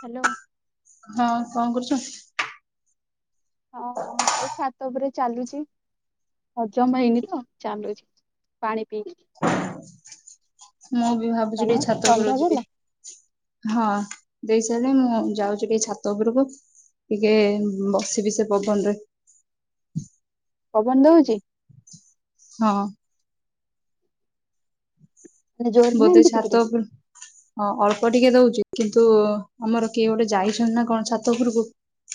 Hello ହଁ କଣ କରୁଛୁ ହଁ ଏଇ ଛାତ ଉପରେ ଚାଲୁଛି ହଜମ ହେଇନି ତ ଚାଲୁଛି ପାଣି ପିଇି ମୁଁ ବି ଭାବୁଛି ଛାତ ଗରୁ ଯିବି ଦେଲ ହଁ ଦେଇ ସାରିଲେ ମୁଁ ଯାଉଛି ଟିକେ ଛାତ ଉପରକୁ ଟିକେ ବସିବି ସେ ପବନରେ ପବନ ଦଉଛି ହଁ ମାନେ ଜୋରରେ ନା ବୋଧେ ଏମିତି ଟିକେ ଛାତ ଟିକେ? ଅଳ୍ପ ଟିକେ ଦଉଛି କିନ୍ତୁ ଆମର କେହି ଗୋଟେ ଯାଇଛନ୍ତି ନା କଣ ଛାତ ଘରକୁ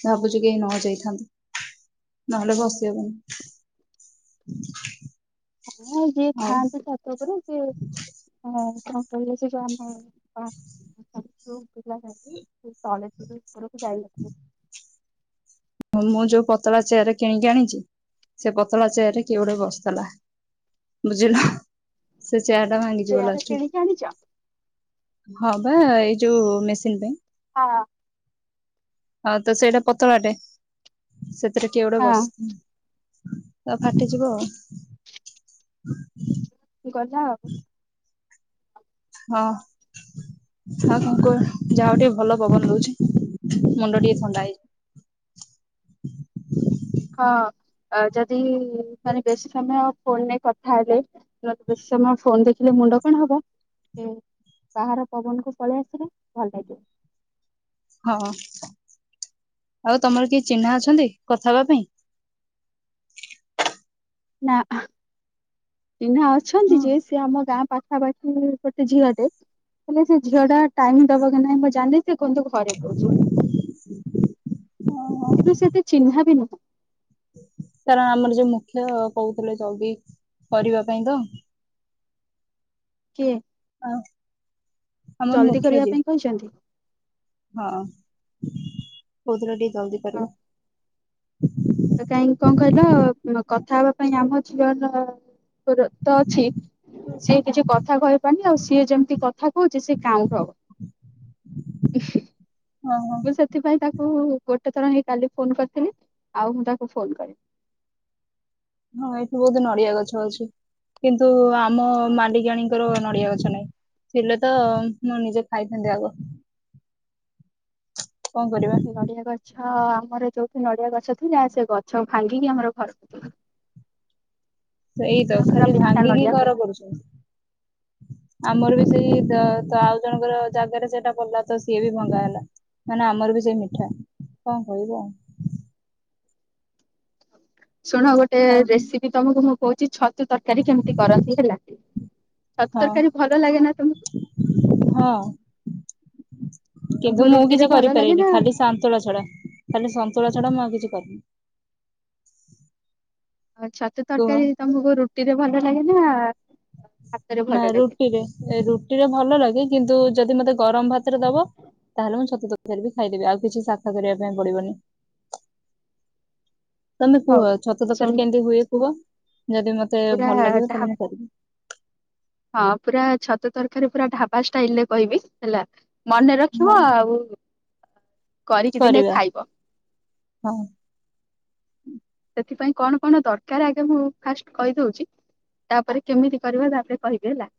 ଭାବୁଛି କେହି ନ ଯାଇଥାନ୍ତ ନହେଲେ ବସିହବନି ହଁ ଯିଏ ଥାଆନ୍ତି ଛାତ ଉପରେ ସିଏ ହଁ ହଁ କହିଲ ସେ କମ ହ ହ ପିଲ କଜ [inaudible] ମୁଁ ଯୋଉ ପତଳା ଚେୟାରରେ କିଣିକି ଆଣିଛି ସେ ପତଳା ଚେୟାରରେ କି ଗୋଟେ ବସିଲା ବୁଝିଲ ଚ ଟା ଭାଙ୍ଗିଯିବ ଚେୟାର ଲାଷ୍ଟ କିଣିକି ଆଣିଛ? କୁ ହବା ଯୋଉ ମେସିନ୍ ପାଇଁ ହଁ ହଉ ତ ସେଇଟା ପତଳାଟେ ସତ ପତକ ଏଡେ ବସ ହଁ ତ ଫାଟିଯିବ ଆଉ ଗଲା ଆଉ ହଁ ଆଉ କଣ କ ଯାହା ଟିକେ ଭଲ ପବନ ହହୁଛି ମୁଣ୍ଡ ଟିକେ ଥଣ୍ଡା ହେଇଯିବ ହଁ ଆ ଯଦି ମାନେ ବେଶୀ ସମୟ ଫୋନରେ କଥା ହେଲେ ନେ ବେଶୀ ସମୟ ଫୋନ ଦେଖିଲେ ମୁଣ୍ଡ କଣ ହବ ବାହାର ପବନକୁୁ ପଳେଇ ଆସିଲେ ଭଲ ଲଇିବ। ହଁ ଆଉ ତମର କିଏ ଚିହ୍ନା ଅଛନ୍ତି କଥା ହବା ପାଇଁ? ନାଁ ଆ। ଚିହ୍ନା ଅଛନ୍ତି ଯେ ସେ ଆମ ଗାଁ ପାଖ ଗୋଟେ ଝିଅ ଟେ ହେଲେ ସେ ଝିଅ ଟା ଟାଇମ ଦବ କି ନାଇଁ ମୁଁ ଜାନି ସେ କିନ୍ତୁ ଘରେ କହୁଛି କିନ୍ତୁ ସେ ଏତେ ଚିହ୍ନା ବି ନୁହଁ। କାରଣ ଆମର ଯୋଉ ମୁଖ୍ୟ କହୁଥିଲେ ଜଲଦି କରିବା ପାଇଁ ତ କିଏ? ଆଉ। ଆମର ଜଲଦି ମୁଖ୍ୟ କରିବା ଯେ, ପାଇଁ କହିଛନ୍ତି ହଁ। ହଉତ୍ରଡି ଜଲଦି ପାରିବ। [inaudible] କାହିଁକି କଣ କହିଲ କଥା ହବା ପାଇଁ ଆମ ଝିଅରତ ଅଛି ସିଏ କିଛି କଥା କହିପାରୁନି ଆଉ ସିଏ ଯେମିତି କଥା କହୁଛି ସି କାଉଁଟ ହବ। ହଁ ହଁ ମୁଁ ସେଥିପାଇଁ ତାକୁ ହଉ ହଉ ହଉ ଗୋଟେ ଥର ହିଁ କାଲି ଫୋନ କରିଥିଲି ଆଉ ମୁଁ ତାକୁ ଫୋନ କରିନି। ହଁ ଏଠି ବହୁତ ନଡିଆ ଗଛ ଅଛି କିନ୍ତୁ ଆମ ମାଲିକାଣୀଙ୍କର ନଡିଆ ଗଛ ନାହିଁ ଥିଲେ ତ ମୁ ନିଜେ ଖାଇଥାନ୍ତି ଆଗ। କଣ କରିବା ନଡିଆ ଗଛ ଆମର ଯୋଉ ନଡିଆ ଗଛ ଥିଲା ସେ ଗଛ ଭାଙ୍ଗିକି ଆମର ଘରକୁ ଥିଲା। ସେଇତ ଖାଲି ଭାଙ୍ଗିକି ହୁଏ। ଘର କରୁଛନ୍ତି ଆମର ବି ସେଇ ତ ଆଉ ଜଣଙ୍କର ଜାଗାରେ ସେଟା ପଡିଲ ତ ସିଏ ବି ଭଙ୍ଗା ହେଲା ନହଲେ ଆମର ବି ସେଇ ମିଠା କଣ କହିବ? ଶୁଣ ଗୋଟେ ଆଉ ରେସିପି ତମକୁ ମୁଁ କହୁଛି ଛ ତୁ ତରକାରୀ କେମିତି କରନ୍ତି ହେଲା। ଛତୁ ହଁ ତରକାରୀ ଭଲ ଲାଗେ ନା ତୁମକୁ। ହଁ କିନ୍ତୁ ମୁଁ କିଛି କରିପାରିନି ନା ଖାଲି ସନ୍ତୁଳା ଛଡା ଖାଲି ସନ୍ତୁଳା ଛଡା ମୁଁ ଆଉ କିଛି। [unintelligible] ଆଉ ଛତୁ କୁହ। ତରକାରୀ ତମକୁ ରୁଟି ରେ ଭଲ ଲାଗେ ହେ ନା ହାତରେ ନା ଭଲ ଲାଗେ ରୁଟିରେ ରୁଟିରେ ଭଲ ଲାଗେ କିନ୍ତୁ ଯଦି ମତେ ଗରମ ଭାତରେ ଦବ ତାହେଲେ ମୁଁ ଛତୁ ତଥରେ ବି ଖାଇଦେବି ଆଉ କିଛି ସାଫା କରିବା ପାଇଁ ପଡିବନି। ତମେ କୁହ ହଉ ଛତୁ ଶୁଣ ତରକାରୀ କେମିତି ହୁଏ କୁହ? ଯଦି ମୋତେ ପୁରା ଭଲ ଲାଗିବ ଢା ତାହେଲେ ମୁଁ କରିବି। ହଁ ପୁରା ଛତୁ ତରକାରୀ ପୁରା ଢାବା ଷ୍ଟାଇଲରେ କହିବି ହେଲା। ମନେ ହଁ ରଖିବ ଆଉ। କରିକି ଦିନେ ଖାଇବ। ହୁଁ। [inaudible] ସେଥିପାଇଁ କଣ କଣ ଦରକାର ଆଗେ ମୁଁ ଫାଷ୍ଟ କହିଦଉଛି ତାପରେ କେମିତି କରିବା ତାପରେ କହିବି ହେଲା। [inaudible]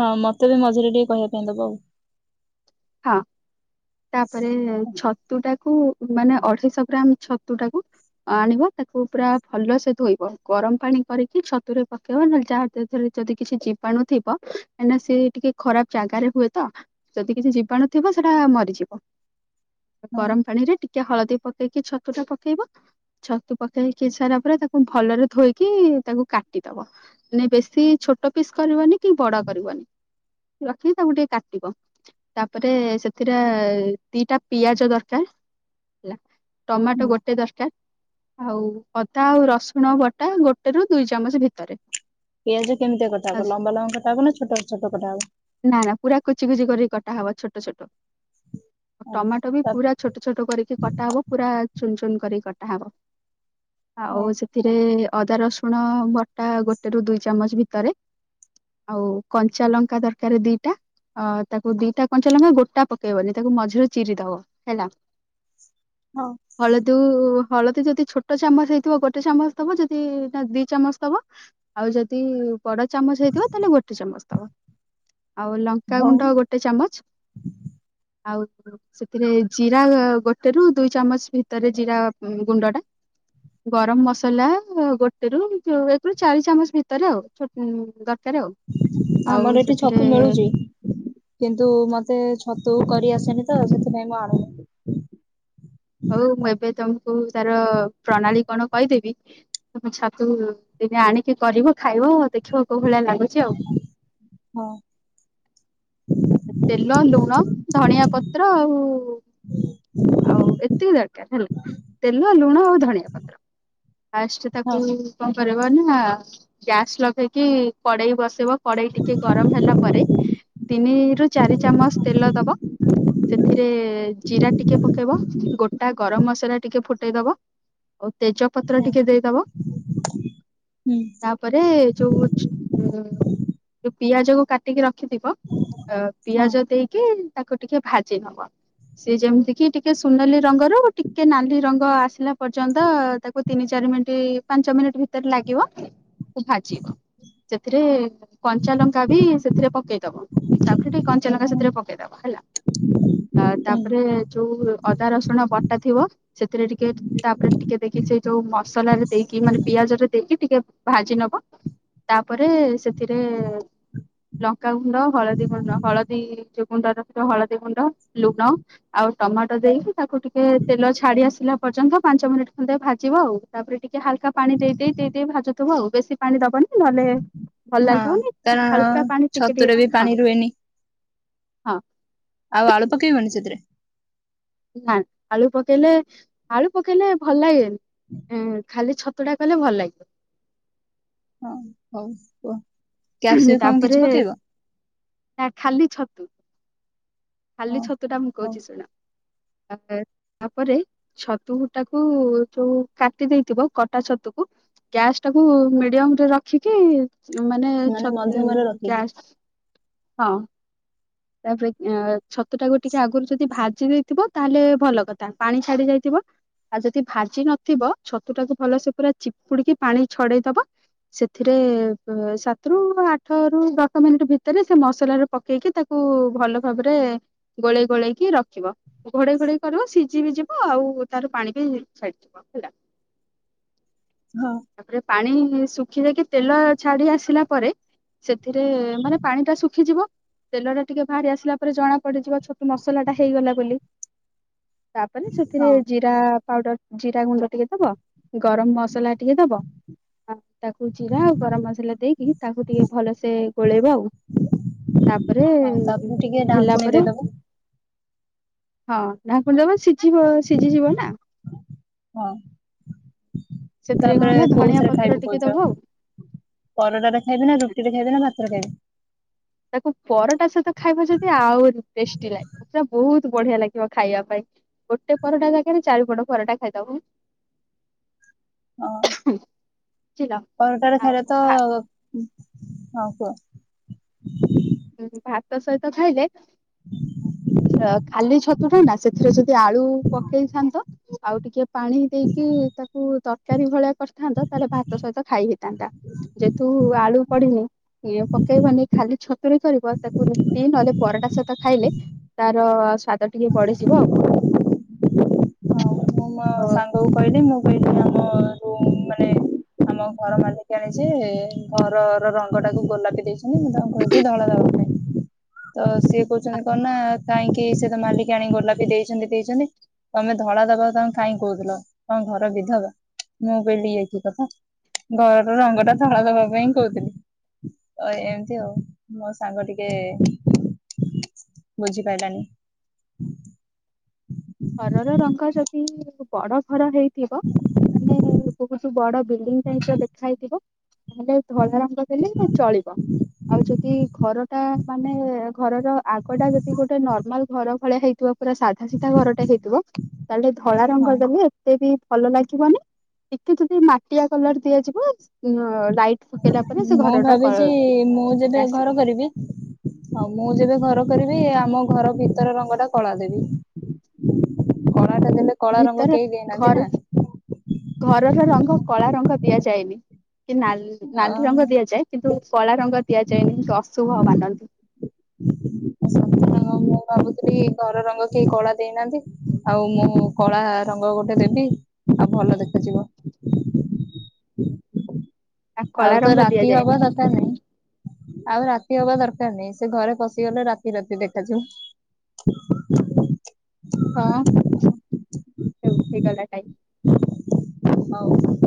ହଁ ମତେ ବି ମଝିରେ ଟିକେ କହିବା ପାଇଁ ଦବ ଆଉ। ହଁ ତାପରେ ଛତୁଟା କୁ ମାନେ ଅଢେଇଶ ଗ୍ରାମ ଛତୁଟାକୁ ଆଣିବ ତାକୁ ପୁରା ଭଲ ସେ ଧୋଇବ ଗରମ ପାଣି କରିକି ଛତୁରେ ପକେଇବ ନହେଲେ ଯାହା ସେଥିରେ ଯଦି କିଛି ଜୀବାଣୁ ଥିବ କାଇଁନା ସେ ଟିକେ ଖରାପ ଜାଗାରେ ହୁଏ ତ ଯଦି କିଛି ଜୀ ବାଣୁ ଥିବ ସେଟା ମରିଯିବ। ହଁ ଗରମ ପାଣିରେ ଟିକେ ହଳଦୀ ପକେଇକି ଛ ତୁଟା ପକେଇବ ଛତୁ ପକେଇକି ସାରିଲା ପରେ ତାକୁ ଭଲରେ ଧୋଇକି ତାକୁ କାଟିଦବ ମାନେ ବେଶୀ ଛୋଟ ପିସ୍ କରିବନି କି ବଡ କରିବନି ରଖିକି ତାଙ୍କୁ ଟିକେ କାଟିବ। ତାପରେ ସେଥିରେ ଦିଟା ପିଆଜ ଦରକାର ହେଲା। [inaudible] ଟମାଟୋ ହୁଁ ଗୋଟେ ଦରକାର ଆଉ ଅଦା ଆଉ ରସୁଣ ବଟା ଗୋଟେରୁ ଦୁଇ ଚାମଚ ଭିତରେ ପିଆଜ କେମିତିଆ କଟା ହବ ଲମ୍ବା ଲମ୍ବା କଟା ହବ ନା ଛୋଟ ଛୋଟ କଟା ହବ? [inaudible] ଟାହବ ଛୋଟ ଛୋଟ। ହଁ ଟମାଟୋ ବି ତାପରେ ପୁରା ଛୋଟ ଛୋଟ କରିକି କଟା ହବ ପୁରା ଚୁନ ଚୁନ କରିକି କଟ୍ ଟାହବ ଆଉ ହଁ ସେଥିରେ ଅଦା ରସୁଣ ବଟା ଗୋଟେରୁ ଦୁଇ ଚାମଚ ଭିତରେ ଆଉ କଞ୍ଚା ଲଙ୍କା ଦରକାର ଦିଟା ଅଁ ତାକ୍ ଓ ଦିଟା କଞ୍ଚା ଲଙ୍କା ଗୋଟା ପକେଇବନି ତାକୁ ମଝିରେ ଚିରି ଦବ ହେଲା। [inaudible] ହଳଦୁ ହଳଦୀ ଯଦି ଛୋଟ ଚାମଚ ହେଇଥିବ ଗୋଟେ ଚାମଚ ଦବ ଯଦି ନା ଦି ଚାମଚ ଦବ ଆଉ ଯଦି ବଡ ଚାମଚ ହେଇଥିବ ତାହେଲେ ଗୋଟେ ଚାମଚ ଦବ। ଆଉ ହଉ ଲଙ୍କାଗୁଣ୍ଡ ଗୋଟ୍ ଚାମଚ ଆଉ ସେଥିରେ ଜିରା ଗୋଟେରୁ ଦୁଇ ଚାମଚ ଭିତରେ ଜିରା ଗୁଣ୍ଡ ଟା ଗରମ ମସଲା ଗୋଟେରୁ ଏକରୁ ଚାରି ଚାମଚ ଭିତରେ ଆଉ ଛୋଟ୍ ଦ ତରେ ଆଉ ଆଉ ଆମର ଏଠି ସେଥିରେ ଛତୁ ମିଳୁଛି କିନ୍ତୁ ମତେ ଛତୁ କରି ଆସେନି ତ ସେଥିପାଇଁ ମୁଁ ଆଣୁନଥିଲି। ହଉ ମୁଁ ଏବେ ତମ ବହୁ ତା ର ପ୍ରଣାଳୀ କଣ କହିଦେବି। ତମେ ଛାତୁ ଦିନେ ଆଣିକି କରିବ। ଖାଇବ ଦେଖିବ କୋଉ ଭଳିଆ ଲାଗୁଚ ଆଉ। [inaudible] ହଁ ତେଲ ଲୁଣ ଧଣିଆ ପତ୍ର ଆଉ ଆଉ ଏତିକି ଦରକାର ହେଲା ତେଲ ଲୁଣ ଆଉ ଧଣିଆ ପତ୍ର [inaudible] ଫାଷ୍ଟ ହଁ ତାକୁ କଁ ପହଲେ କଣ ନା ଗ୍ୟାସ୍ ଲଗେଇକି କଡେଇ ବସେଇବ କଡେଇ ଟିକେ ଗରମ ହେଲା ପରେ ତିନିରୁ ଚାରି ଚାମଚ ତେଲ ଦବ ସେଥିରେ ଜିରା ଟିକେ ପକେଇବ ଗୋଟା ଗରମ ମସଲା ଟିକେ ଫୁଟେଇଦବ। ଆଉ ତେଜପତ୍ର ଟିକେ ଦେଇଦବ ହୁଁ ତାପରେ ଯୋଉ ପିଆଜ କୁ କାଟିକି ରଖିଥିବ। ଅ ହଁ ପିଆଜ ଦେଇକି? ତାକୁ ଟିକେ ଭାଜି ଦବ ସି ଯେମିତିକି ଟିକେ ସୁନାଲି ରଙ୍ଗ ର ଟିକେ ନାଲି ରଙ୍ଗ ଆସିଲା ପର୍ଯ୍ୟନ୍ତ ତାକୁ ତିନି ଚାରି ମିନିଟ୍ ପାଞ୍ଚ ମିନିଟ୍ ଭିତରେ ଲାଗିବ। ଭାଜିୀିବ। ସେଥିରେ। କଞ୍ଚାଲଙ୍କା ବି ସେ ଏଥିରେ ପକେଇଦବ। ତାପରେ ଟିକେ କଞ୍ଚା ଲଙ୍କା ହୁଁ ସେଥିରେ ପକେଇଦବ ହେଲା। ଆଉ ତାପରେ ଯୋଉ ଅଦା ରସୁଣ ବଟା ଥିବ ସେଥିରେ ଟିକେ ତାପରେ ଟିକେ ଦେଇକି ସେ ଯୋଉ ମସଲାରେ ଦେଇକି ମାନେ ପିଆଜ ରେ ଦେଇକି ଟିକେ ଭାଜି ନବ ତାପରେ ସେଥିରେ ଲଙ୍କାଗୁଣ୍ଡ ହ ଦୀ ହଳଦୀ ଯୋଉ ଗୁଣ୍ଡ ହଳଦୀ ଗୁଣ୍ଡ ଲୁଣ ଆଉ ଟମାଟୋ ଦେଇକି ତାକୁ ଟିକେ ତେଲ ଛାଡି ଆସିଲା ପର୍ଯ୍ୟନ୍ତ ପାଞ୍ଚ ମିନିଟ୍ ଖଣ୍ଡେ ଭାଜିବ ଆଉ ତାପରେ ଟିକେ ହାଲକା ପାଣି ଦେଇ ଦେଇେଇ ଦେଇ ଦେଇେ ଭାଜୁଥିବ ଆଉ ବେଶୀ ପାଣି ଦବନି ନହେଲେ ଭଲ ହଁ ଲାଗିବନି ହାଲକା ପାଣି ଟିକେ ଟିକେ ହଁ। ନି ହଁ ଆଉ ଆଳୁ ପକେଇବନି ସେଥିରେ। ନା ଆଳୁ ପକେଇଲେ ଆଳୁ ପକେଇଲେ ଭଲ ଲାଗେନି। ଉଁ ଖାଲି ଛତୁ। ଛତୁ ଟା କଲେ ଭଲ ଲାଗିବ। ହଁ ହଉ କୁଅ। ତାପରେ ନା ଖାଲି ଛତୁ। ଖାଲି ହଁ ଛତୁ ଟା ମୁଁ ହଉ କହୁଚି ଶୁଣ। ଆ ତାପରେ ଛତୁଟାକୁ ଯୋଉ କାଟି ଦେଇଥିବ କଟା ଛତୁକୁ ଗ୍ୟାସ୍ ଟାକୁ ମିଡିୟମ ରେ ରଖିକି [unintelligible] ମାନେ ଛତୁ ମଧ୍ୟମରେ ରଖିକି ଗ୍ୟାସ୍। ହଁ ତାପରେ ଆଁ ଛତୁ ଟାକୁ ଟିକେ ଆଗରୁ ଯଦି ଭାଜି ଦେଇଥିବ ତାହେଲେ ଭଲ କଥା ପାଣି ଛାଡି ଯାଇଥିବ ଆଉ ଯଦି ଭାଜି ନଥିବ ଛତୁ ଟାକୁ ଭଲ ସେ ପୁରା ଚିପୁଡିକି ପାଣି ଛଡେଇ ଦବ ସେଥିରେ ସାତ ରୁ ଆଠ ରୁ ଦଶ ମିନିଟ ଭିତରେ ସେ ମସଲା ର ପକେଇକି ତାକୁ ଭଲ ଭାବରେ ଗୋଳେଇ ଗୋଳେଇକି ରଖିବ ଘୋଡେଇ ଘୋଡେଇ କରିବ ସିଝି ବି ଯିବ ଆଉ ତାର ପାଣି ବି ଛାଡିଯିବ ହେଲା। ହଁ ତାପରେ ପାଣି ଶୁଖି ଯାଇକି ତେଲ ଛାଡି ଆସିଲା ପରେ ସେଥିରେ ମାନେ ପାଣି ଟା ଶୁଖିଯିବ ତେଲ ଟା ଟିକେ ବାହାରି ଆସିଲା ପରେ ଜଣା ପଡିଯିବ ଛତୁ ମସଲା ଟା ହେଇଗଲା ବୋଲି। ତାପରେ ସେଥିରେ ହଁ ଜିରା ପାଉଡର ଜିରା ଗୁଣ୍ଡ ଟିକେ ଦବ। ଗରମ ମସଲା ଆଉ ତାକୁ ଜିରା ଆଉ ଗରମ ମସଲା ଦେଇକି ତାକୁ ଟିକେ ଭଲସେ ଗୋଳେଇବେ ଆଉ। ତାପରେ ହଁ ତାପରେ ଟିକେ ହେଲା ଢାଙ୍କୁଣୀ ପରେ ଦେଇଦବ ହଁ ଢାଙ୍କୁଣି ଜବ ସିଝିବ ସିଝିଯିବ ନା ହଁ ସେଥିରେ କଣ ତାପରେ ହେଲା ଧଣିଆ କୋଉଥିରେ ପତ୍ର ଖାଇବି ଟିକେ କୋଛ ଦବ ଆଉ। ପରଡ଼ରେ ଖାଇବି ନା ରୁଟିରେ ଖାଈବି ନା। ହେରା ଦେନି ତାକୁ ପରଟା ସହିତ ଖାଇବା ଯଦି ଆହୁରି ଟେଷ୍ଟି ଲାଗେ ପୁରା ବହୁତ ବଢିଆ ଲାଗିବ ଖାଇବା ପାଇଁ ଗୋଟେ ପରଟା ଜାଗ ନା ଚାରିପଟ ପରଟା ଖାଇଦବ। ହଁ। ବୁଝିଲ ପରଟାରେ ଆଉ ଥରେ ତ ଭା ହଁ କୁହ ହଁ ଭାତ ସହିତ ଖାଇଲେ ଖାଲି ଛତୁଟା ନା ସେଥିରେ ଯଦି ଆଳୁ ପକେଇଥାନ୍ତ। ଆଉ ଟିକେ ପାଣି ଦେଇକି ତାକୁ ତରକାରୀ ଭଳିଆ କରିଥାନ୍ତତ ତାହେଲେ ଭାତ ସହିତ ଖାଇ ହେଇଥାନ୍ତା ଯେହେତୁ ଆଳୁ ପଡିନି ପକେଇବନି ଖାଲି ଛ କରିବ ତାକୁ ରୁଟି ନହେଲେ ପରଟା ସହିତ ଖାଇଲେ ତାର ସ୍ୱାଦ ଟିକେ ପଢ଼ୀଜିବ ଆଉ। ମୁଁ ମୋ ସାଙ୍ଗ କ କହିଲି ମୁଁ କହିଲି ଆମ ରୁମ ମାନେ ଆମ ଘର ମାଲିକଆଣି ଜି ଘରର ରଙ୍ଗ ଟାକୁ ଗୋଲାପୀ ଦେଇଛି ମୁଁ ତାଙ୍କୁ କହିବି ଧଳା ଦବା ପାଇଁ। ତ ସିଏ କହୁଛନ୍ତି କଣ ନା କାହିଁକି ସେ ତ ମାଲିକ ଆଣ ଗୋଲାପୀ ଦେଇଛନ୍ତି ଦେଇଛନ୍ତି ତମେ ଧଳା ଦବା ତମ କାଇହିଁକ କହୁଥିଲ ତ ଘର ବିଧବା ମୁଁ କହିଲି ଇ କି କଥା ଘରର ରଙ୍ଗ ଟା ଧଳା ଦବା ପାଇଁ କହୁଥିଲି ତ ଏମିତି ଆଉ ମୋ ସାଙ୍ଗ ଟିକେ ବୁଝିପାଇଲାନି। ଘରର ରଙ୍ଗ ଯଦି ବଡ ଘର ହେଇ ଥିବ ମାନେ ବହୁତ ବଡ଼ ବିଲ୍ଡିଂ ଯାଇ ଦେଖାହେଇଥିବ। ତାହେଲେ ଧଳ ରଙ୍ଗଦଲେ ଚଳିବ ଆଉ ଯଦି ଘର ଟା ମାନେ ଘରର ଆଗଟା ଯଦି ଗୋଟେ ନର୍ମାଲ ଘର ଭଳିଆ ହେଇଥଥିବା। ପୁରା ସାଧା ସିଧା ଘର ହେଇଥିବ ତାହେଲେ ଧଳା ହଁ ରଙ୍ଗ ଦେଲେ ଏତେ ବି ଭଲ ଲାଗିବନି ଟିକେ ଯଦି ମାଟିଆ କଲର ଦିଆଯିବ ଅ ମୁଁ ଭାବିଛି ମୁଁ ଏଇଟା ଯେବେ ଘର ଆସିବ କରିବି ଆଉ ମୁଁ ଯେବେ ଘର। କରିବି ଆମ ଘର ଭିତର ରଙ୍ଗ ଟା କଳା ଦେବି। କଳା ଟା ଦେଲେ କଳା ରଙ୍ଗ ଭିତରେ କେହି ଦେଇନାହାନ୍ତି ଘର ନା। ଘରର ରଙ୍ଗ କଳା ରଙ୍ଗ ଦିଆଯାଏନି। କି ନା ଅ ନାଲି ରଙ୍ଗ ଦିଆଯାଏ କିନ୍ତୁ କଳା ରଙ୍ଗ ଦିଆଯାଏନି କି ଅଶୁଭ ମାନନ୍ତି। ସତ ରଙ୍ଗ ମୁଁ ଭାବୁଥିଲି ଘର ରଙ୍ଗ କେହି କଳା ଦେଇନାହାନ୍ତି ଆଉ ମୁଁ କଳା ରଙ୍ଗ ଗୋଟେ ଦେବି ଆଉ ଭଲ ଦେଖାଯିବ। ଆ ଆଉ କଳା ତ ରଙ୍ଗ ରାତି ହବା ଦିଆଯାଏନି ଦରକାର ନାହିଁ। ଆଉ ରାତି ହବା ଦରକାର ନାହିଁ ସେ ଘରେ ପଶିଗଲେ ରାତି ରାତି ଦେଖାଯାଉ। ହଁ ହଉ ହେଇ ଗଲା କାଇଁ। ହଉ।